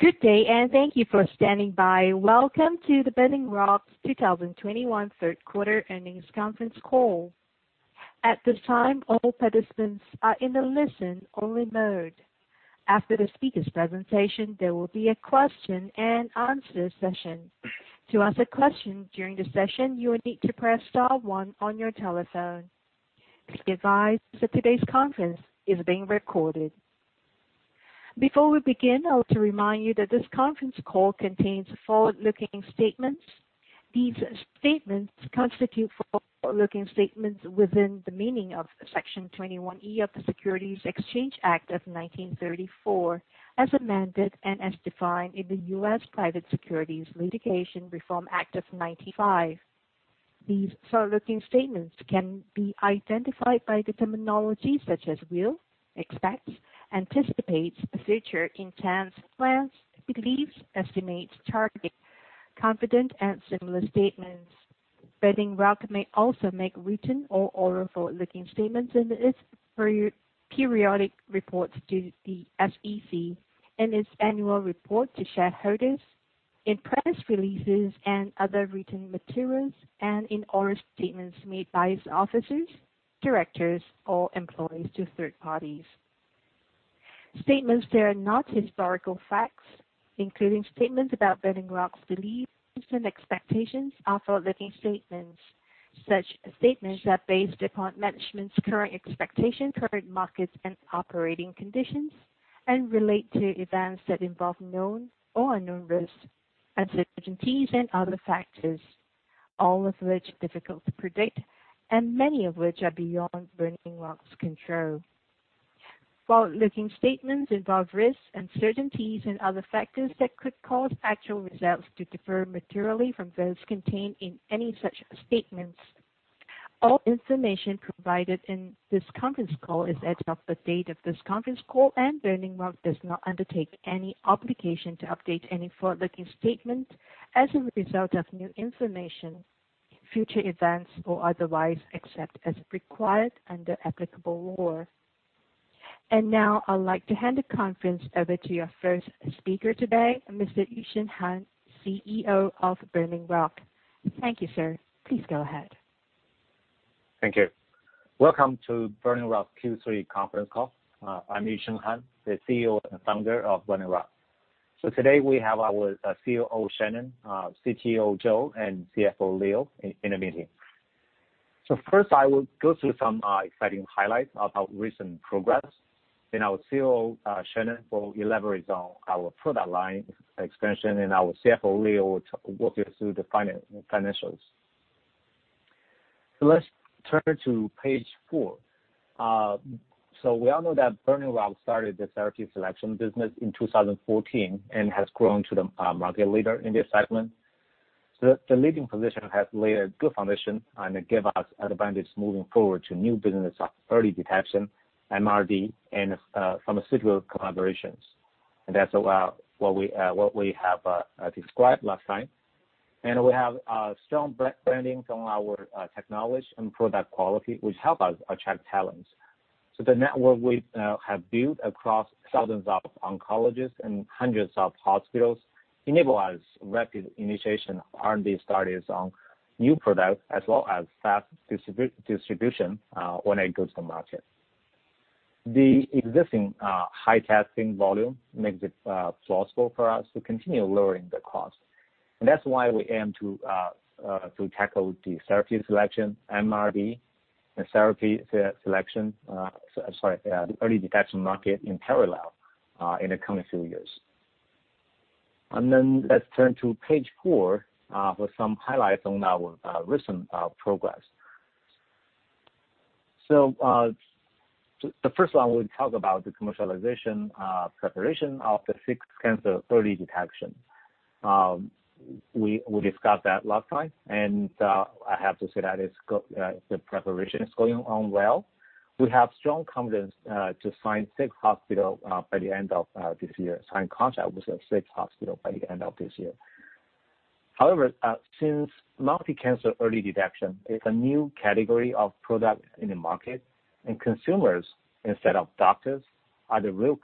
Good day, and thank you for standing by. Welcome to the Burning Rock's 2021 third quarter earnings conference call. At this time, all participants are in a listen-only mode. After the speakers' presentation, there will be a question and answer session. To ask a question during the session, you will need to press star one on your telephone. Be advised that today's conference is being recorded. Before we begin, I want to remind you that this conference call contains forward-looking statements. These statements constitute forward-looking statements within the meaning of Section 21E of the Securities Exchange Act of 1934, as amended and as defined in the U.S. Private Securities Litigation Reform Act of 1995. These forward-looking statements can be identified by the terminology such as will, expects, anticipates, future, intends, plans, believes, estimates, targets, confident, and similar statements. Burning Rock may also make written or oral forward-looking statements in its periodic reports to the SEC, in its annual report to shareholders, in press releases and other written materials, and in oral statements made by its officers, directors or employees to third parties. Statements that are not historical facts, including statements about Burning Rock's beliefs and expectations are forward-looking statements. Such statements are based upon management's current expectations, current markets, and operating conditions and relate to events that involve known or unknown risks, uncertainties and other factors, all of which are difficult to predict and many of which are beyond Burning Rock's control. Forward-looking statements involve risks, uncertainties, and other factors that could cause actual results to differ materially from those contained in any such statements. All information provided in this conference call is as of the date of this conference call, and Burning Rock does not undertake any obligation to update any forward-looking statement as a result of new information, future events, or otherwise, except as required under applicable law. Now I'd like to hand the conference over to your first speaker today, Mr. Yusheng Han, CEO of Burning Rock. Thank you, sir. Please go ahead. Thank you. Welcome to Burning Rock's Q3 conference call. I'm Yusheng Han, the CEO and founder of Burning Rock. Today we have our COO, Shannon, CTO, Joe, and CFO, Leo in the meeting. First I will go through some exciting highlights of our recent progress. Then our COO, Shannon, will elaborate on our product line expansion, and our CFO, Leo, will walk you through the financials. Let's turn to page four. We all know that Burning Rock started this therapy selection business in 2014 and has grown to the market leader in this segment. The leading position has laid a good foundation and give us advantages moving forward to new business of early detection, MRD, and pharmaceutical collaborations. That's what we have described last time. We have strong brand, branding from our technology and product quality, which help us attract talents. The network we have built across thousands of oncologists and hundreds of hospitals enable us rapid initiation R&D studies on new products as well as fast distribution when it goes to market. The existing high testing volume makes it plausible for us to continue lowering the cost. That's why we aim to tackle the therapy selection, MRD and early detection market in parallel in the coming few years. Let's turn to page four for some highlights on our recent progress. The first one we talk about the commercialization preparation of the six cancer early detection. We discussed that last time, and I have to say that the preparation is going on well. We have strong confidence to sign six hospitals by the end of this year. Sign contract with six hospitals by the end of this year. However, since multi-cancer early detection is a new category of product in the market and consumers instead of doctors are the real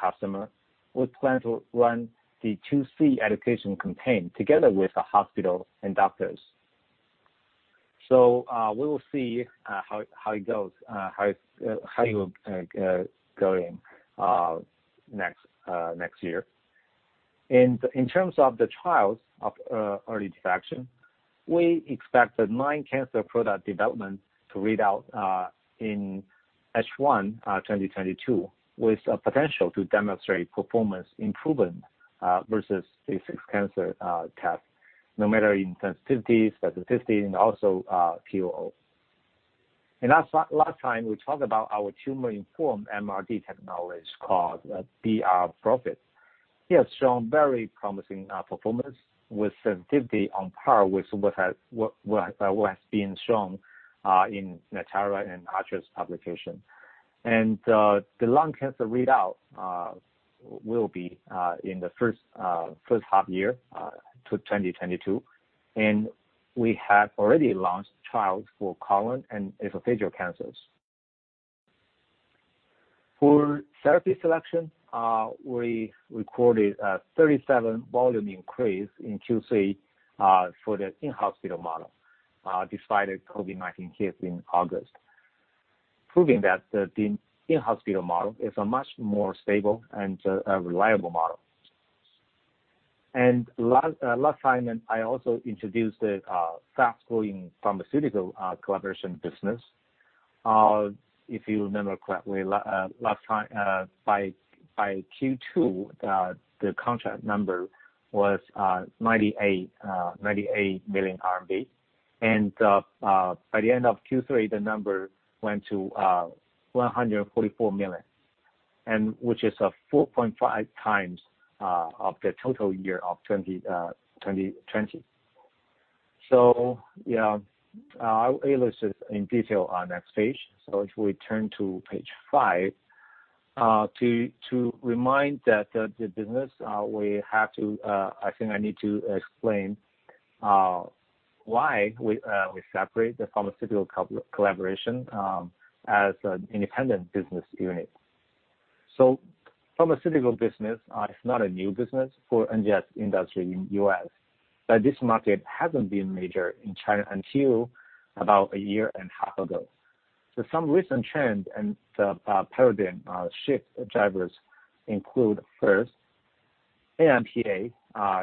customer, we plan to run the Two C education campaign together with the hospital and doctors. We will see how it goes next year. In terms of the trials of early detection, we expect the 9-cancer product development to read out in H1 2022, with a potential to demonstrate performance improvement versus the 6-cancer test, no matter in sensitivity, specificity, and also PPV. Last time we talked about our tumor-informed MRD technology called brPROFILE. It has shown very promising performance with sensitivity on par with what has been shown in Natera and ArcherDX's publication. The lung cancer readout will be in the first half of year 2022, and we have already launched trials for colon and esophageal cancers. For therapy selection, we recorded a 37% volume increase in Q3 for the in-hospital model despite a COVID-19 case in August, proving that the in-hospital model is a much more stable and reliable model. Last time, I also introduced the fast-growing pharmaceutical collaboration business. If you remember correctly, last time, by Q2, the contract number was 98 million RMB. By the end of Q3, the number went to 144 million, which is 4.5 times of the total year of 2020. Yeah, I'll list this in detail on next page. If we turn to page five to remind that the business we have to, I think I need to explain why we separate the pharmaceutical collaboration as an independent business unit. Pharmaceutical business is not a new business for NGS industry in U.S., but this market hasn't been major in China until about a year and a half ago. Some recent trends and the paradigm shift drivers include, first, NMPA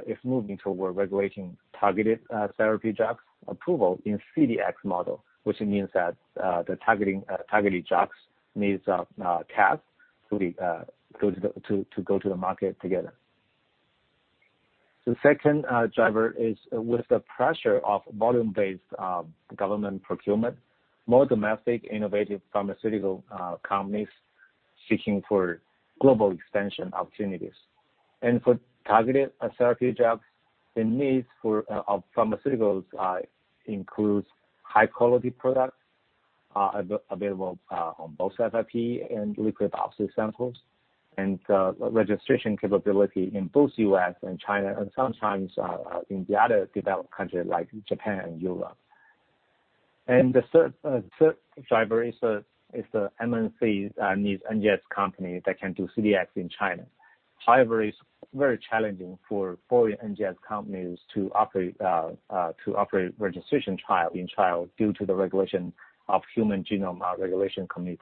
is moving toward regulating targeted therapy drugs approval in CDx model, which means that the targeted drugs needs CAP to be to go to the market together. The second driver is with the pressure of volume-based government procurement, more domestic innovative pharmaceutical companies seeking for global expansion opportunities. For targeted therapy drugs, the needs for of pharmaceuticals includes high quality products available on both FFPE and liquid biopsy samples, and registration capability in both U.S. and China, and sometimes in the other developed countries like Japan and Europe. The third driver is the MNCs needs NGS company that can do CDx in China. However, it's very challenging for NGS companies to operate registration trial in China due to the regulation of Human Genetic Resources Administration of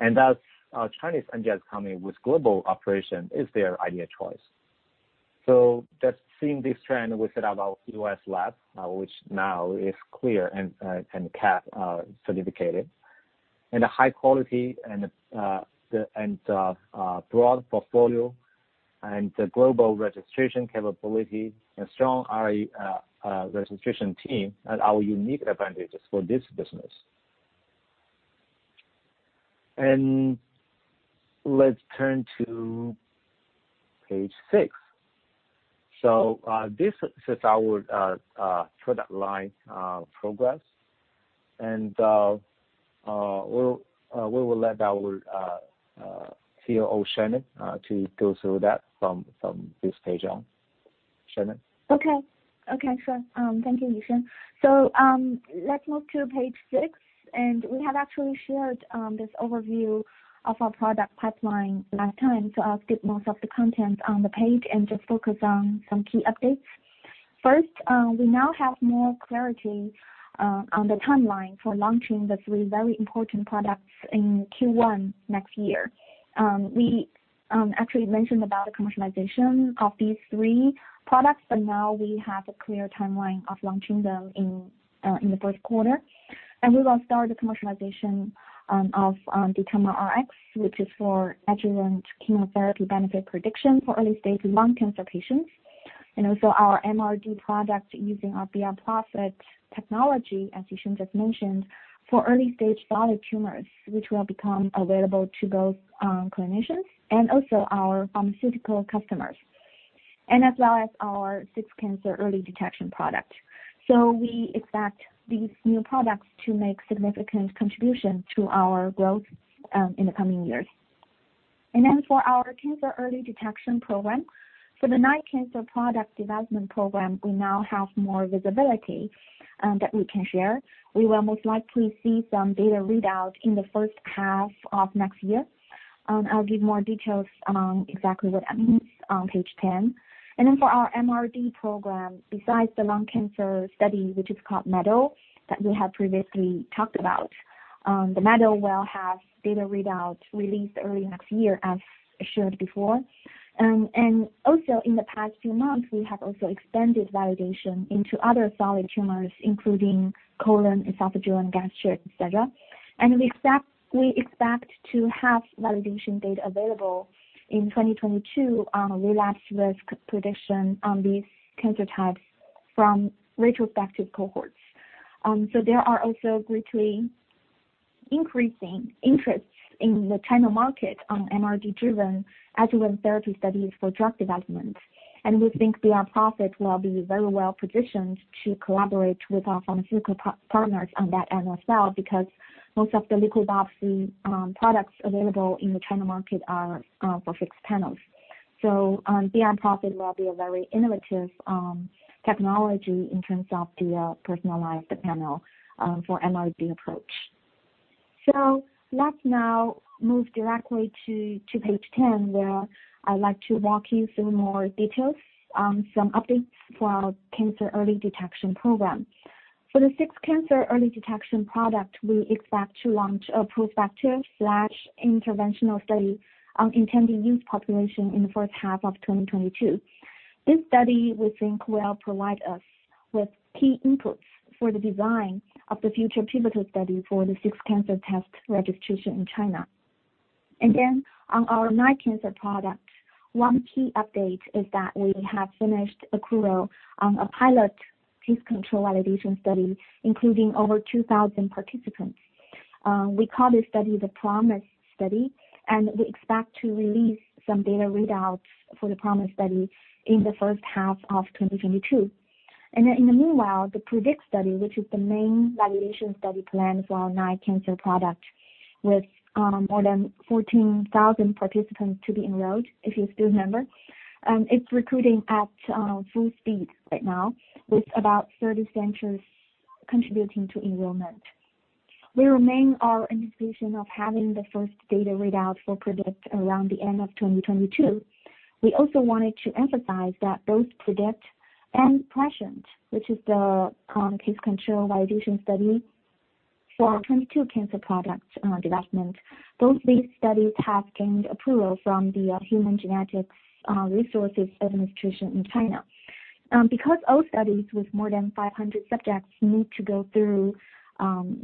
China. Thus, Chinese NGS company with global operation is their ideal choice. Just seeing this trend with our U.S. lab, which now is CLIA- and CAP-certified, and high quality and the broad portfolio and the global registration capability and strong regulatory team are our unique advantages for this business. Let's turn to page six. This is our product line progress. We will let our CEO, Shannon, go through that from this page on. Shannon? Okay, sure. Thank you, Yusheng. Let's move to page six, and we have actually shared this overview of our product pipeline last time, so I'll skip most of the content on the page and just focus on some key updates. First, we now have more clarity on the timeline for launching the three very important products in Q1 next year. We actually mentioned about the commercialization of these three products, but now we have a clear timeline of launching them in the first quarter. We will start the commercialization of DetermaRx, which is for adjuvant chemotherapy benefit prediction for early-stage lung cancer patients. Also our MRD product using our brPROFILE technology, as Yusheng just mentioned, for early-stage solid tumors, which will become available to both clinicians and also our pharmaceutical customers, as well as our six-cancer early detection product. We expect these new products to make significant contribution to our growth in the coming years. For our cancer early detection program, for the nine-cancer product development program, we now have more visibility that we can share. We will most likely see some data readout in the first half of next year. I'll give more details on exactly what that means on page 10. For our MRD program, besides the lung cancer study, which is called MEDAL, that we have previously talked about, the MEDAL will have data readout released early next year, as shared before. In the past few months, we have expanded validation into other solid tumors, including colon, esophageal, and gastric, et cetera. We expect to have validation data available in 2022 on relapse risk prediction on these cancer types from retrospective cohorts. There are also greatly increasing interest in the China market on MRD-driven adjuvant therapy studies for drug development. We think brPROFILE will be very well positioned to collaborate with our pharmaceutical partners on that end as well, because most of the liquid biopsy products available in the China market are for fixed panels. brPROFILE will be a very innovative technology in terms of the personalized panel for MRD approach. Let's now move directly to page 10, where I'd like to walk you through more details on some updates for our cancer early detection program. For the six cancer early detection product, we expect to launch a prospective/interventional study on intended use population in the first half of 2022. This study, we think, will provide us with key inputs for the design of the future pivotal study for the six cancer test registration in China. On our nine cancer products, one key update is that we have finished accrual on a pilot case control validation study, including over 2,000 participants. We call this study the PROMISE study, and we expect to release some data readouts for the PROMISE study in the first half of 2022. In the meanwhile, the PREDICT study, which is the main validation study planned for our 9-cancer product, with more than 14,000 participants to be enrolled, if you still remember, it's recruiting at full speed right now with about 30 centers contributing to enrollment. We remain our anticipation of having the first data readout for PREDICT around the end of 2022. We also wanted to emphasize that both PREDICT and PRESCIENT, which is the case control validation study for our 22-cancer product development, both these studies have gained approval from the Human Genetic Resources Administration of China. Because all studies with more than 500 subjects need to go through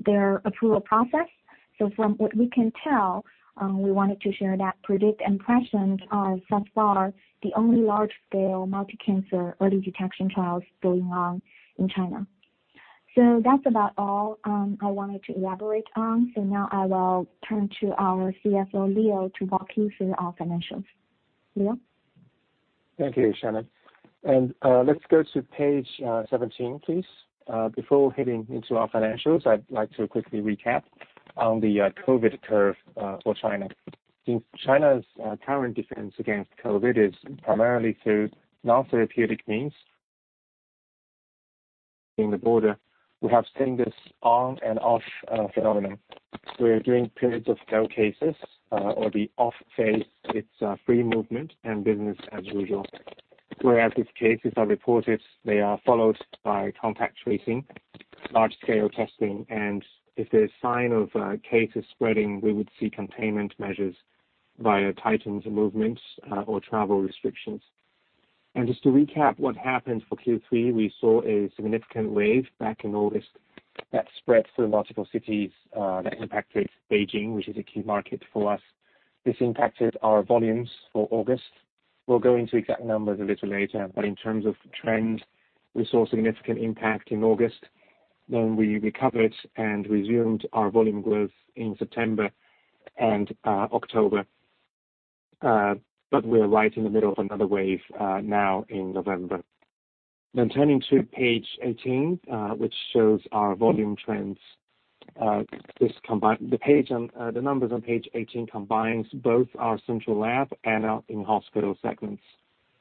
their approval process. From what we can tell, we wanted to share that PREDICT and PRESCIENT are so far the only large scale multi-cancer early detection trials going on in China. That's about all I wanted to elaborate on. Now I will turn to our CFO, Leo, to walk you through our financials. Leo? Thank you, Shannon. Let's go to page 17, please. Before heading into our financials, I'd like to quickly recap on the COVID curve for China. China's current defense against COVID is primarily through non-therapeutic means. At the border, we have seen this on and off phenomenon, where during periods of no cases or the off phase, it's free movement and business as usual. Whereas if cases are reported, they are followed by contact tracing, large-scale testing, and if there's sign of cases spreading, we would see containment measures via tightened movements or travel restrictions. Just to recap what happened for Q3, we saw a significant wave back in August that spread through multiple cities that impacted Beijing, which is a key market for us. This impacted our volumes for August. We'll go into exact numbers a little later, but in terms of trend, we saw significant impact in August. We recovered and resumed our volume growth in September and October. But we're right in the middle of another wave now in November. Turning to page 18, which shows our volume trends. The page, the numbers on page 18 combines both our central lab and our in-hospital segments.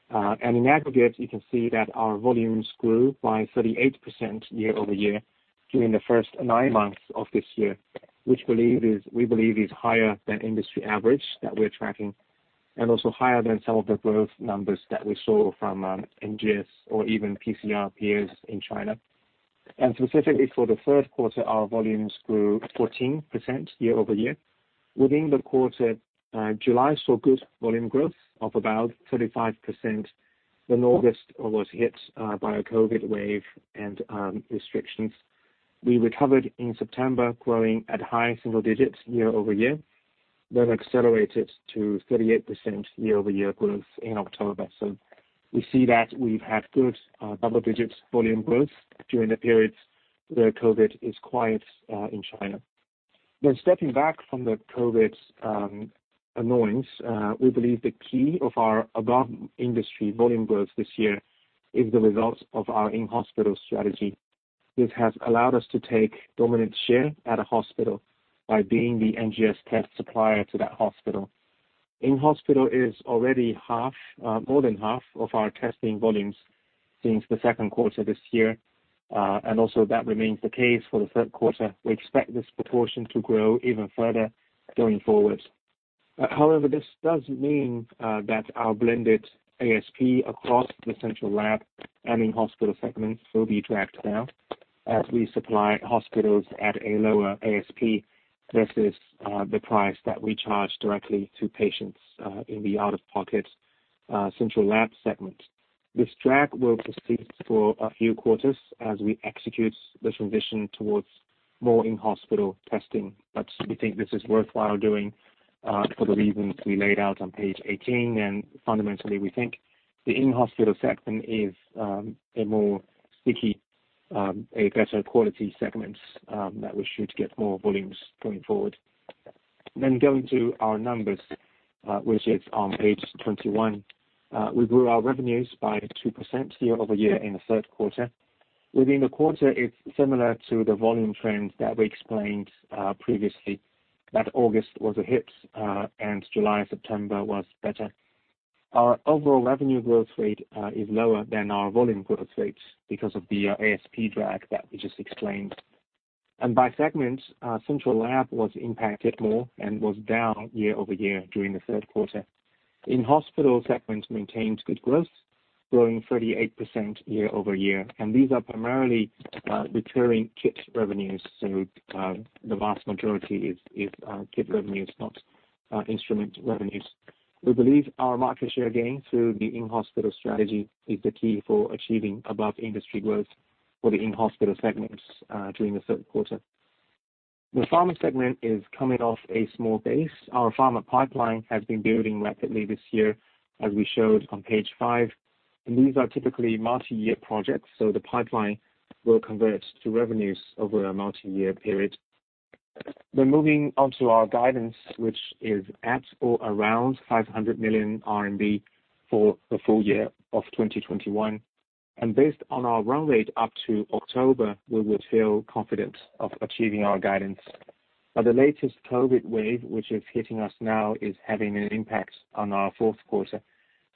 In aggregate, you can see that our volumes grew by 38% year-over-year during the first nine months of this year, which we believe is higher than industry average that we're tracking, and also higher than some of the growth numbers that we saw from NGS or even PCR peers in China. Specifically for the third quarter, our volumes grew 14% year-over-year. Within the quarter, July saw good volume growth of about 35%. August was hit by a COVID wave and restrictions. We recovered in September, growing at high single digits year-over-year, then accelerated to 38% year-over-year growth in October. We see that we've had good double digits volume growth during the periods where COVID is quiet in China. Stepping back from the COVID's annoyance, we believe the key to our above industry volume growth this year is the results of our in-hospital strategy. This has allowed us to take dominant share at a hospital by being the NGS test supplier to that hospital. In-hospital is already half, more than half of our testing volumes since the second quarter this year. That remains the case for the third quarter. We expect this proportion to grow even further going forward. However, this does mean that our blended ASP across the central lab and in hospital segments will be dragged down as we supply hospitals at a lower ASP versus the price that we charge directly to patients in the out-of-pocket central lab segment. This drag will persist for a few quarters as we execute the transition towards more in-hospital testing. We think this is worthwhile doing for the reasons we laid out on page 18. Fundamentally, we think the in-hospital segment is a more sticky, a better quality segment that we should get more volumes going forward. Going to our numbers, which is on page 21. We grew our revenues by 2% year-over-year in the third quarter. Within the quarter, it's similar to the volume trends that we explained previously. That August was a hit, and July, September was better. Our overall revenue growth rate is lower than our volume growth rate because of the ASP drag that we just explained. By segment, our central lab was impacted more and was down year-over-year during the third quarter. In-hospital segments maintains good growth, growing 38% year-over-year. These are primarily returning kits revenues. The vast majority is kit revenues, not instrument revenues. We believe our market share gain through the in-hospital strategy is the key for achieving above industry growth for the in-hospital segments during the third quarter. The pharma segment is coming off a small base. Our pharma pipeline has been building rapidly this year, as we showed on page five, and these are typically multi-year projects, so the pipeline will convert to revenues over a multi-year period. Moving on to our guidance, which is at or around 500 million RMB for the full year of 2021. Based on our run rate up to October, we would feel confident of achieving our guidance. The latest COVID wave, which is hitting us now, is having an impact on our fourth quarter.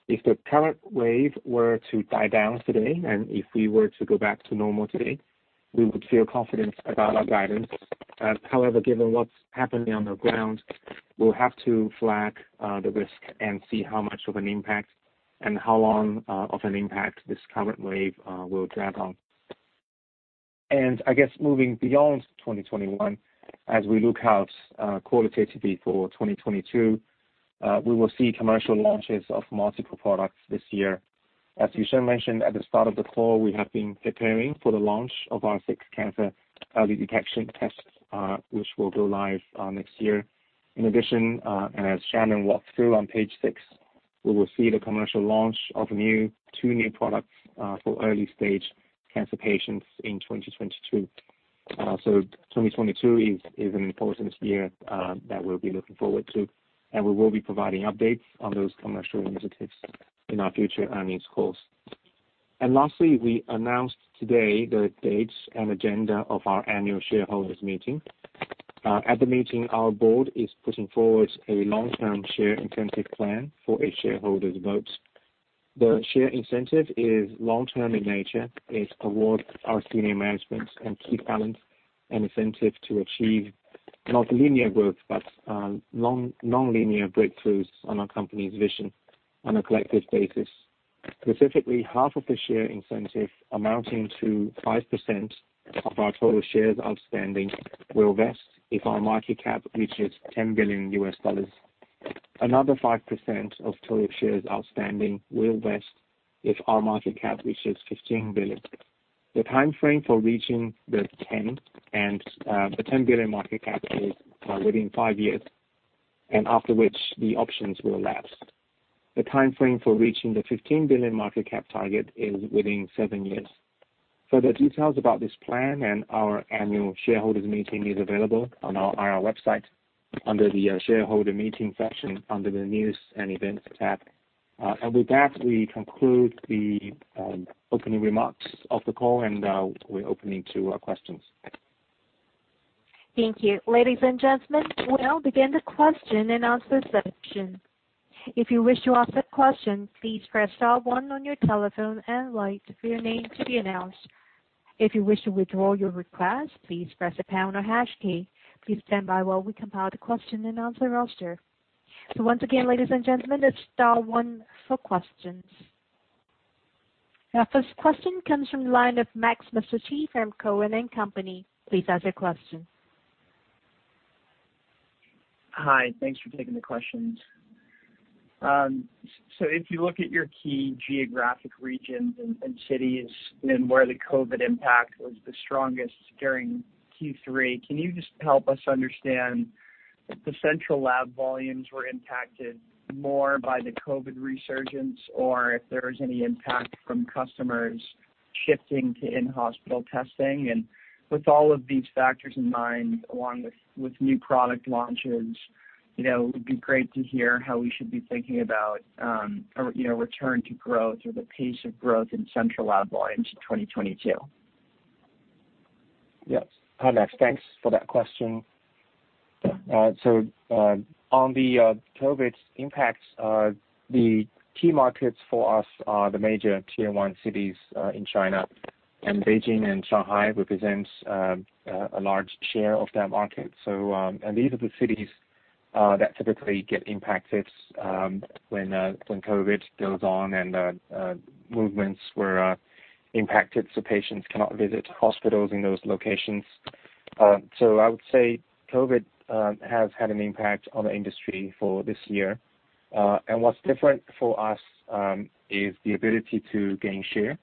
If the current wave were to die down today, and if we were to go back to normal today, we would feel confident about our guidance. However, given what's happening on the ground, we'll have to flag the risk and see how much of an impact and how long of an impact this current wave will drag on. I guess moving beyond 2021, as we look out, qualitatively for 2022, we will see commercial launches of multiple products this year. As Yusheng mentioned at the start of the call, we have been preparing for the launch of our 6-cancer early detection tests, which will go live, next year. In addition, as Shannon walked through on page six, we will see the commercial launch of two new products, for early stage cancer patients in 2022. 2022 is an important year, that we'll be looking forward to, and we will be providing updates on those commercial initiatives in our future earnings calls. Lastly, we announced today the dates and agenda of our annual shareholders meeting. At the meeting, our board is putting forward a long-term share incentive plan for a shareholder's vote. The share incentive is long-term in nature. It awards our senior management and key talent an incentive to achieve not linear growth, but non-linear breakthroughs on our company's vision on a collective basis. Specifically, half of the share incentive amounting to 5% of our total shares outstanding will vest if our market cap reaches $10 billion. Another 5% of total shares outstanding will vest if our market cap reaches $15 billion. The time frame for reaching the 10 billion market cap is within five years, and after which the options will lapse. The time frame for reaching the 15 billion market cap target is within seven years. Further details about this plan and our annual shareholders meeting is available on our website under the shareholder meeting section under the News and Events tab. With that, we conclude the opening remarks of the call, and we're opening to questions. Thank you. Ladies and gentlemen, we'll begin the question and answer section. If you wish to ask a question, please press star one on your telephone and wait for your name to be announced. If you wish to withdraw your request, please press pound or hash key. Please stand by while we compile the question and answer roster. Once again, ladies and gentlemen, it's star one for questions. Our first question comes from the line of Max Masucci from Cowen and Company. Please ask your question. Hi. Thanks for taking the questions. So if you look at your key geographic regions and cities and where the COVID impact was the strongest during Q3, can you just help us understand if the central lab volumes were impacted more by the COVID resurgence or if there is any impact from customers shifting to in-hospital testing? With all of these factors in mind, along with new product launches, you know, it would be great to hear how we should be thinking about, or you know, return to growth or the pace of growth in central lab volumes in 2022. Yes. Hi, Max. Thanks for that question. On the COVID impacts, the key markets for us are the major Tier 1 cities in China, and Beijing and Shanghai represents a large share of that market. These are the cities that typically get impacted when COVID goes on and movements were impacted, so patients cannot visit hospitals in those locations. I would say COVID has had an impact on the industry for this year. What's different for us is the ability to gain share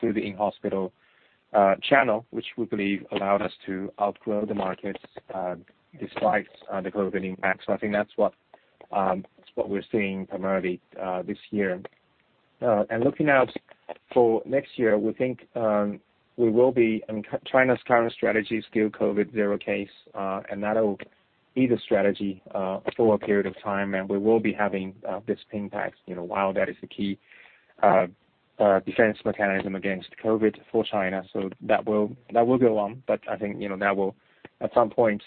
through the in-hospital channel, which we believe allowed us to outgrow the markets despite the COVID impact. I think that's what we're seeing primarily this year. Looking out for next year, we think China's current strategy is still zero-COVID, and that'll be the strategy for a period of time, and we will be having this impact, you know, while that is the key. defense mechanism against COVID for China. That will go on. I think, you know, that will at some point,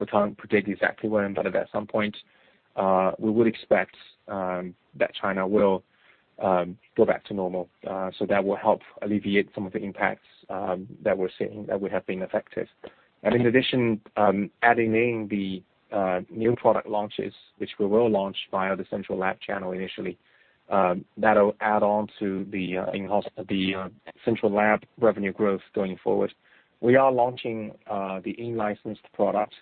we can't predict exactly when, but at some point, we would expect that China will go back to normal. That will help alleviate some of the impacts that we're seeing that would have been effective. In addition, adding in the new product launches, which we will launch via the central lab channel initially, that'll add on to the central lab revenue growth going forward. We are launching the in-licensed product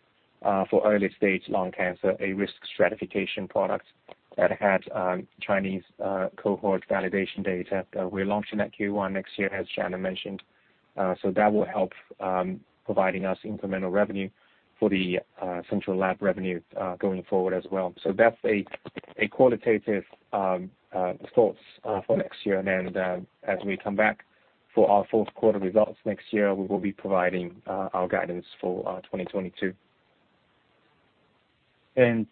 for early-stage lung cancer, a risk stratification product that had Chinese cohort validation data. We're launching that Q1 next year, as Shannon mentioned. That will help providing us incremental revenue for the central lab revenue going forward as well. That's a qualitative thoughts for next year. As we come back for our fourth quarter results next year, we will be providing our guidance for 2022. Max,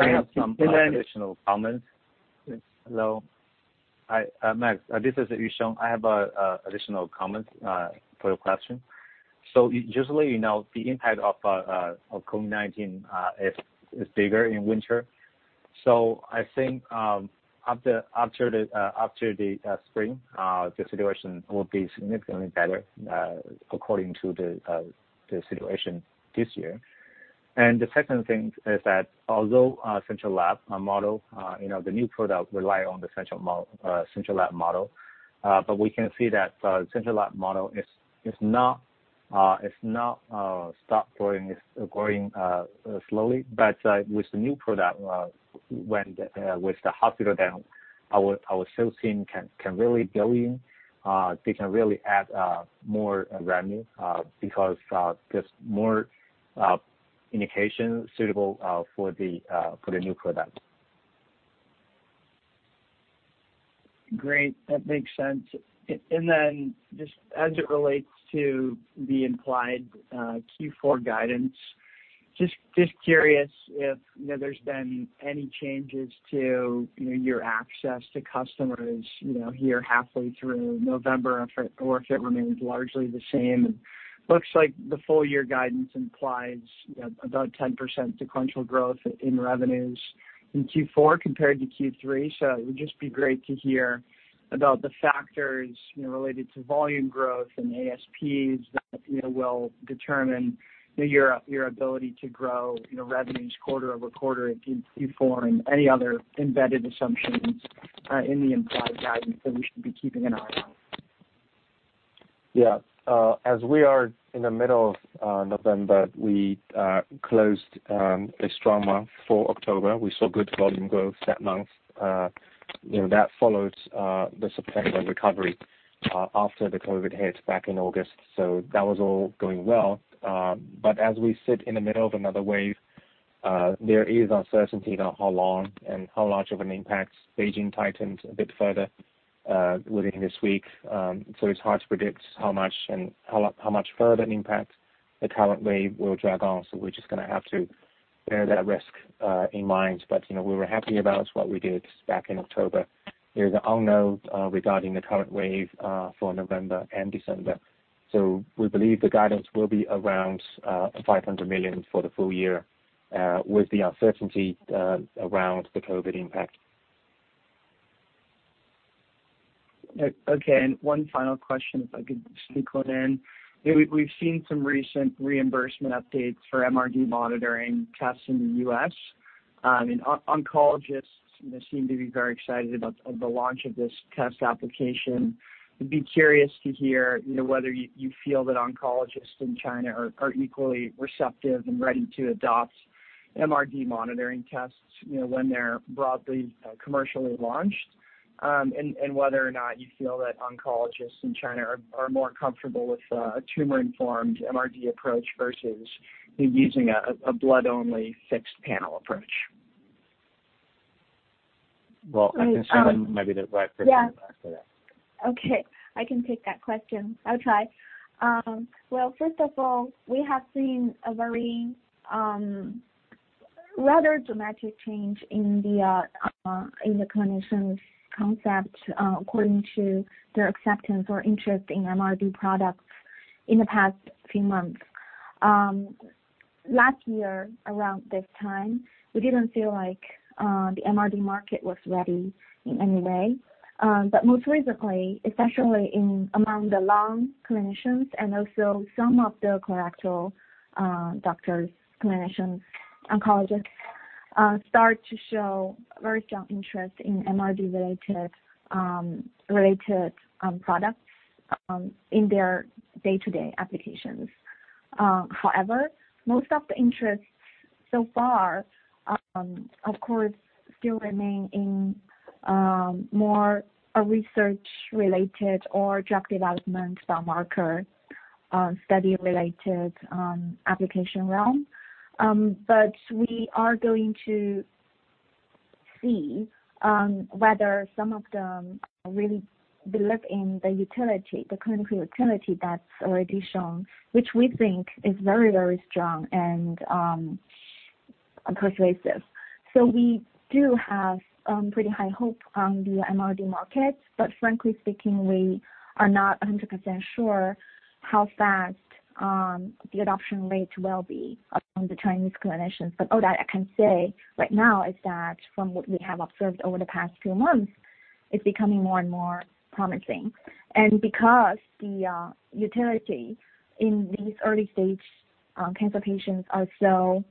I have some additional comments. Hello. Yes, hello. Max, this is Yusheng Han. I have additional comments for your question. Usually, you know, the impact of COVID-19 is bigger in winter. I think after the spring the situation will be significantly better according to the situation this year. The second thing is that although our central lab model, you know, the new product rely on the central lab model, but we can see that central lab model is not stop growing. It's growing slowly. With the new product, when the hospital down, our sales team can really go in. They can really add more revenue because there's more indication suitable for the new product. Great. That makes sense. And then just as it relates to the implied Q4 guidance, just curious if, you know, there's been any changes to, you know, your access to customers, you know, here halfway through November or if it remains largely the same. Looks like the full year guidance implies, you know, about 10% sequential growth in revenues in Q4 compared to Q3. It would just be great to hear about the factors, you know, related to volume growth and ASPs that, you know, will determine your ability to grow, you know, revenues quarter over quarter in Q4 and any other embedded assumptions in the implied guidance that we should be keeping an eye on. Yeah. As we are in the middle of November, we closed a strong month for October. We saw good volume growth that month. You know, that followed the September recovery after the COVID hit back in August. That was all going well. As we sit in the middle of another wave, there is uncertainty about how long and how much of an impact Beijing tightens a bit further within this week. It's hard to predict how much and how much further an impact the current wave will drag on. We're just gonna have to bear that risk in mind. You know, we were happy about what we did back in October. There's an unknown regarding the current wave for November and December. We believe the guidance will be around 500 million for the full year with the uncertainty around the COVID impact. Okay. One final question, if I could sneak one in. We've seen some recent reimbursement updates for MRD monitoring tests in the U.S. I mean, oncologists, you know, seem to be very excited about the launch of this test application. I'd be curious to hear, you know, whether you feel that oncologists in China are equally receptive and ready to adopt MRD monitoring tests, you know, when they're broadly commercially launched. Whether or not you feel that oncologists in China are more comfortable with a tumor-informed MRD approach versus using a blood-only fixed panel approach. Well, I can see that maybe the right person to answer that. Yeah. Okay. I can take that question. I'll try. Well, first of all, we have seen a very rather dramatic change in the clinicians' concept according to their acceptance or interest in MRD products in the past few months. Last year around this time, we didn't feel like the MRD market was ready in any way. Most recently, especially among the lung clinicians and also some of the colorectal doctors, clinicians, oncologists start to show very strong interest in MRD related products in their day-to-day applications. However, most of the interest so far, of course, still remain in more a research related or drug development biomarker study related application realm. We are going to see whether some of them really believe in the utility, the clinical utility that's already shown, which we think is very, very strong. We do have pretty high hope on the MRD market. Frankly speaking, we are not 100% sure how fast the adoption rates will be among the Chinese clinicians. All that I can say right now is that from what we have observed over the past few months, it's becoming more and more promising. Because the utility in these early-stage cancer patients are so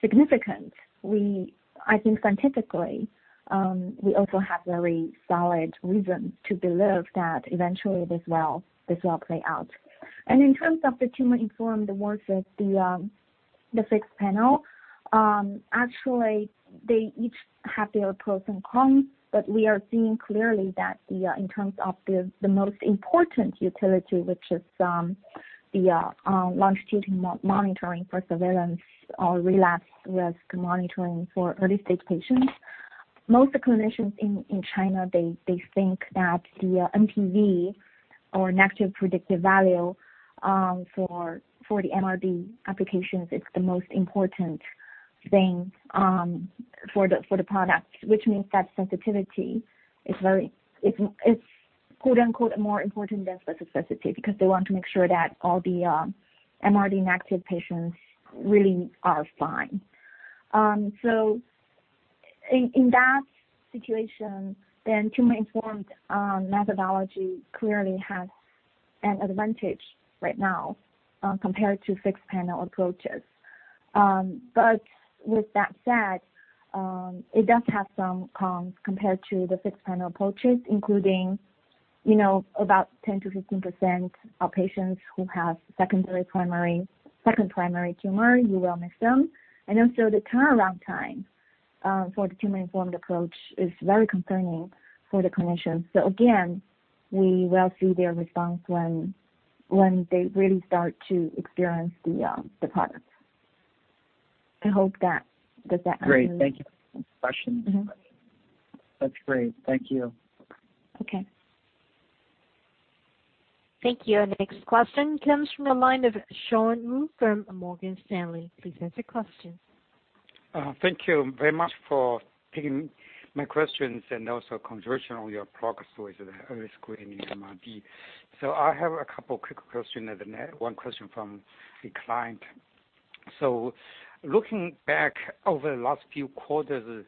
significant, I think scientifically, we also have very solid reasons to believe that eventually this will play out. In terms of the tumor-informed versus the fixed panel, actually they each have their pros and cons, but we are seeing clearly that in terms of the most important utility, which is the longitudinal monitoring for surveillance or relapse risk monitoring for early-stage patients, most of the clinicians in China, they think that the NPV or negative predictive value for the MRD applications is the most important thing for the product. Which means that sensitivity is, it's quote-unquote, "more important than specificity" because they want to make sure that all the MRD inactive patients really are fine. In that situation, tumor-informed methodology clearly has an advantage right now, compared to fixed panel approaches. With that said, it does have some cons compared to the fixed panel approaches, including, you know, about 10%-15% of patients who have second primary tumor, you will miss them. Also the turnaround time for the tumor-informed approach is very concerning for the clinicians. Again, we will see their response when they really start to experience the product. Does that answer- Great. Thank you. Questions. Mm-hmm. That's great. Thank you. Okay. Thank you. Our next question comes from the line of Sean Wu from Morgan Stanley. Please state your question. Thank you very much for taking my questions and also commentary on your progress towards the early screening MRD. I have a couple quick questions and then one question from a client. Looking back over the last few quarters,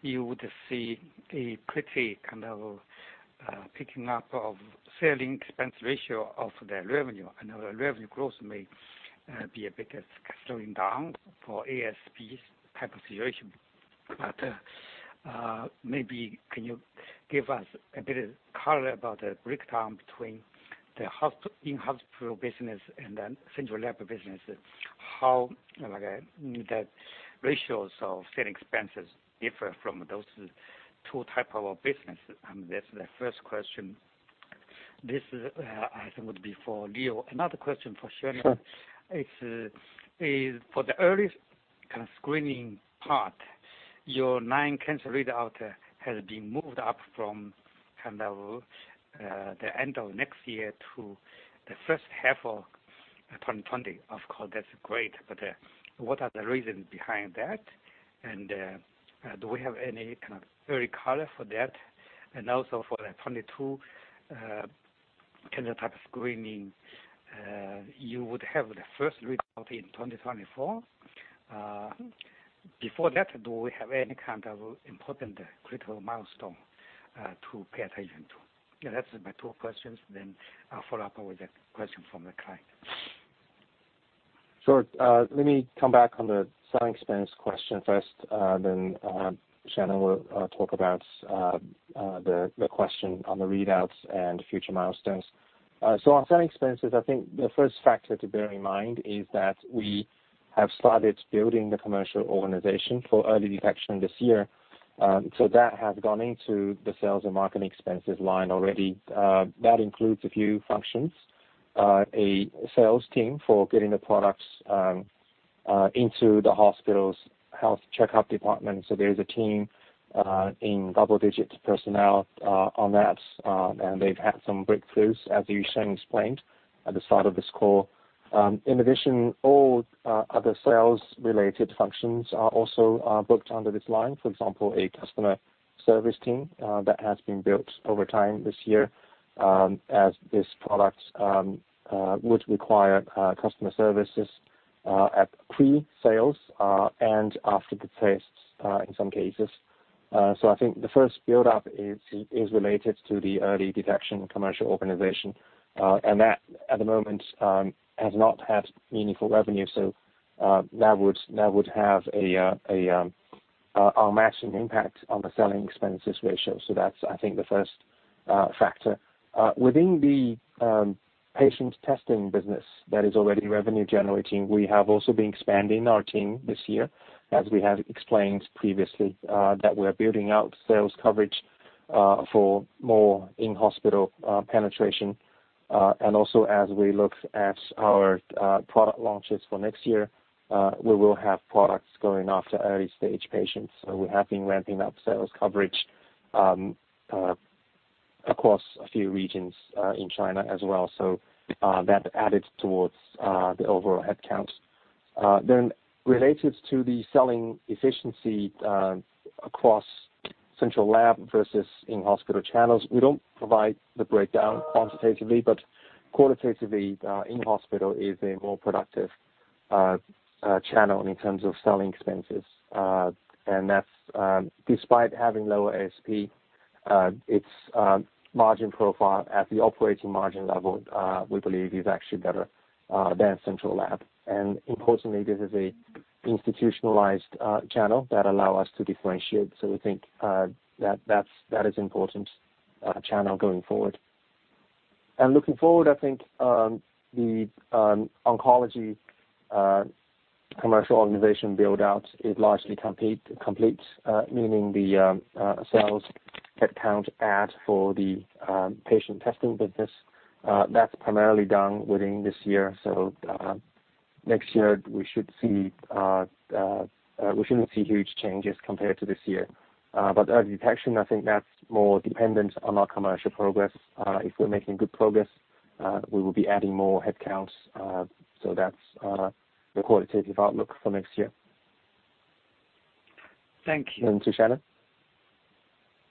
you would see a pretty kind of picking up of selling expense ratio of the revenue. I know the revenue growth may be a bit slowing down for ASP type of situation. But maybe can you give us a bit of color about the breakdown between the in-hospital business and then central lab business? How, like, the ratios of selling expenses differ from those two type of business? That's the first question. This, I think would be for Leo. Another question for Shannon. Sure. It is for the early kind of screening part. Your 9-cancer readout has been moved up from kind of the end of next year to the first half of 2020. Of course, that's great. What are the reasons behind that? Do we have any kind of early color for that? Also for the 22-cancer type screening, you would have the first readout in 2024. Before that, do we have any kind of important critical milestone to pay attention to? Yeah, that's my two questions. Then I'll follow up with a question from the client. Sure. Let me come back on the selling expense question first, then Shannon will talk about the question on the readouts and future milestones. On selling expenses, I think the first factor to bear in mind is that we have started building the commercial organization for early detection this year. That has gone into the sales and marketing expenses line already. That includes a few functions. A sales team for getting the products into the hospital's health checkup department. There's a team in double-digit personnel on that, and they've had some breakthroughs, as Yusheng explained at the start of this call. In addition, all other sales related functions are also booked under this line. For example, a customer service team that has been built over time this year, as this product would require customer services at pre-sales and after the tests in some cases. I think the first build-up is related to the early detection commercial organization. That at the moment has not had meaningful revenue. That would have a matching impact on the selling expenses ratio. That's, I think, the first factor. Within the patient testing business that is already revenue generating, we have also been expanding our team this year, as we have explained previously, that we're building out sales coverage for more in-hospital penetration. As we look at our product launches for next year, we will have products going after early-stage patients. We have been ramping up sales coverage Across a few regions in China as well. That added towards the overall headcount. Related to the selling efficiency across central lab versus in-hospital channels, we don't provide the breakdown quantitatively, but qualitatively, in-hospital is a more productive channel in terms of selling expenses. That's despite having lower ASP, its margin profile at the operating margin level, we believe is actually better than central lab. Importantly, this is a institutionalized channel that allow us to differentiate. We think that is important channel going forward. Looking forward, I think the oncology commercial organization build-out is largely complete, meaning the sales headcount add for the patient testing business, that's primarily done within this year. Next year, we shouldn't see huge changes compared to this year. Early detection, I think that's more dependent on our commercial progress. If we're making good progress, we will be adding more headcounts. That's the qualitative outlook for next year. Thank you. To Shannon.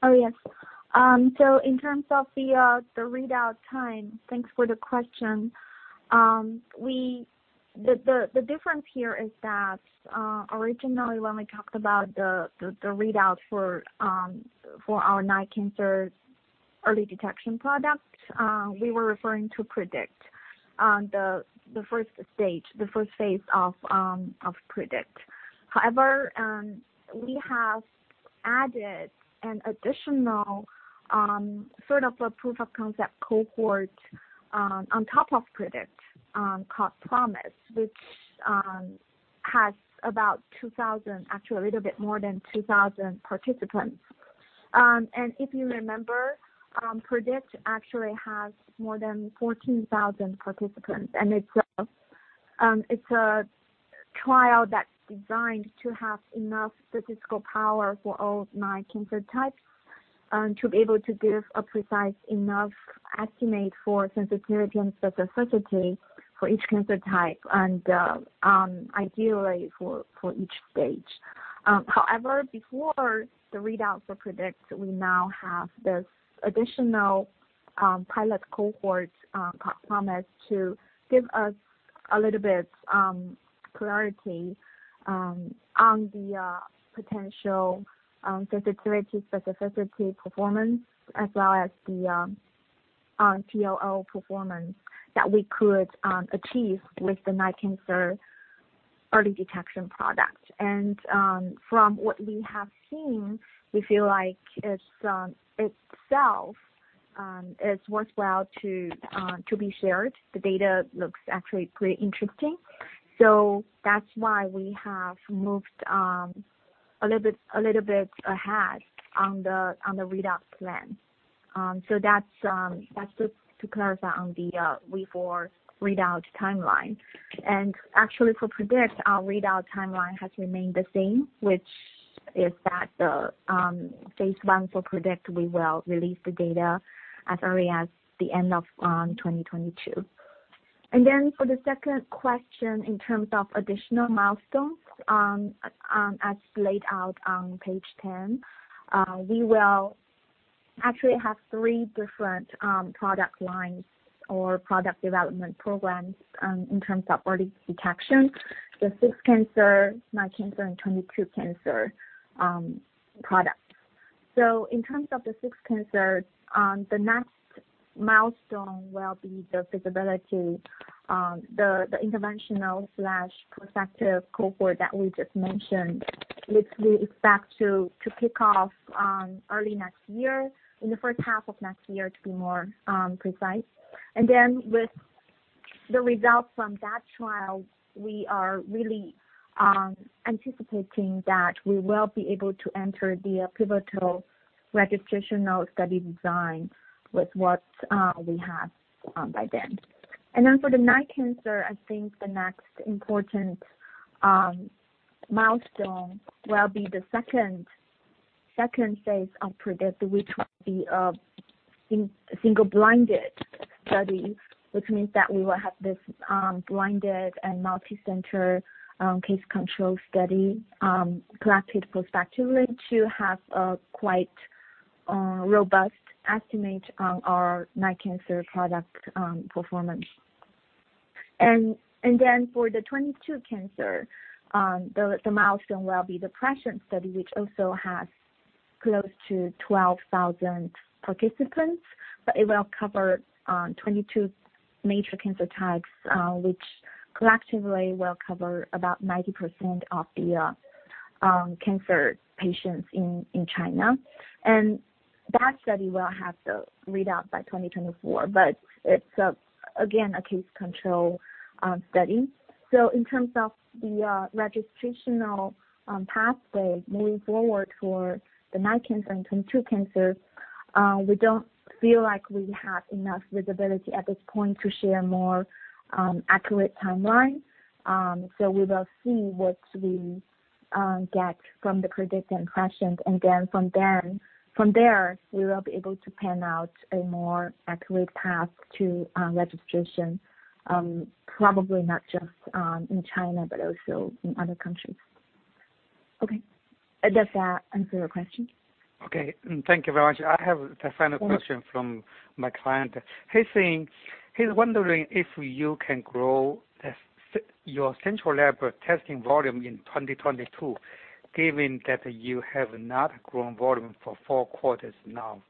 Oh, yes. In terms of the readout time, thanks for the question. The difference here is that originally, when we talked about the readout for our pan-cancer early detection product, we were referring to PREDICT, the first stage, the first phase of PREDICT. However, we have added an additional sort of a proof of concept cohort on top of PREDICT called PROMISE, which has about 2,000, actually a little bit more than 2,000 participants. If you remember, PREDICT actually has more than 14,000 participants, and it's a trial that's designed to have enough statistical power for all 9 cancer types to be able to give a precise enough estimate for sensitivity and specificity for each cancer type and, ideally, for each stage. However, before the readout for PREDICT, we now have this additional pilot cohort, PROMISE, to give us a little bit clarity on the potential sensitivity, specificity performance, as well as the TOL performance that we could achieve with the 9-cancer early detection product. From what we have seen, we feel like it's itself is worthwhile to be shared. The data looks actually pretty interesting. That's why we have moved a little bit ahead on the readout plan. That's just to clarify on the forward readout timeline. Actually, for PREDICT, our readout timeline has remained the same, which is that the phase I for PREDICT, we will release the data as early as the end of 2022. For the second question, in terms of additional milestones, as laid out on page 10, we will actually have three different product lines or product development programs in terms of early detection, the 6-cancer, 9-cancer, and 22-cancer product. In terms of the six cancer, the next milestone will be the feasibility, the interventional slash prospective cohort that we just mentioned, which we expect to kick off early next year, in the first half of next year to be more precise. With the results from that trial, we are really anticipating that we will be able to enter the pivotal registrational study design with what we have by then. For the nine cancer, I think the next important milestone will be the second phase of PREDICT, which will be a single-blinded study, which means that we will have this blinded and multicenter case control study collected prospectively to have a quite robust estimate on our nine cancer product performance. Then for the 22-cancer, the milestone will be the PRESCIENT study, which also has close to 12,000 participants, but it will cover 22 major cancer types, which collectively will cover about 90% of the cancer patients in China. That study will have the readout by 2024, but it's again a case-control study. In terms of the registrational pathway moving forward for the 9-cancer and 22-cancer, we don't feel like we have enough visibility at this point to share more accurate timeline. We will see what we get from the PREDICT impressions. From there, we will be able to pan out a more accurate path to registration, probably not just in China but also in other countries. Okay. Does that answer your question? Okay. Thank you very much. I have a final question from my client. He's wondering if you can grow your central lab testing volume in 2022, given that you have not grown volume for four quarters now.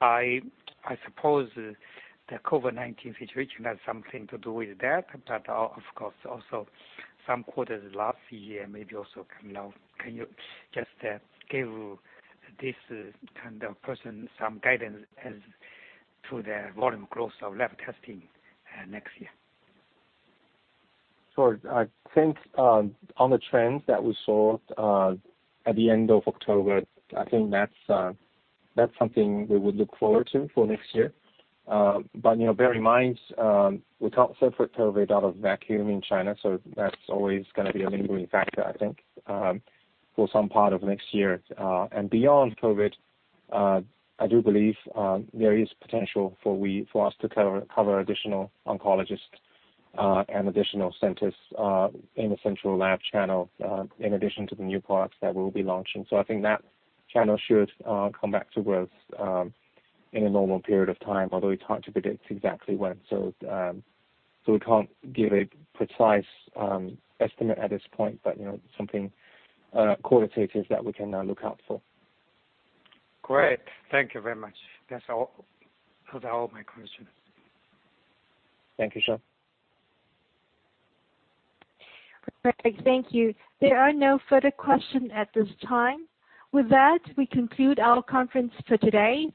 I suppose the COVID-19 situation has something to do with that, but of course, also some quarters last year, maybe also cannot. Can you just give this kind of person some guidance as to the volume growth of lab testing next year? Sure. I think, on the trends that we saw, at the end of October, I think that's something we would look forward to for next year. You know, bear in mind, we can't separate COVID out of vacuum in China, so that's always gonna be a lingering factor, I think, for some part of next year. Beyond COVID, I do believe, there is potential for us to cover additional oncologists, and additional centers, in the central lab channel, in addition to the new products that we'll be launching. I think that channel should, come back to growth, in a normal period of time, although it's hard to predict exactly when. We can't give a precise estimate at this point, but you know, something qualitative that we can now look out for. Great. Thank you very much. That's all. Those are all my questions. Thank you, Sean. Great. Thank you. There are no further questions at this time. With that, we conclude our conference for today.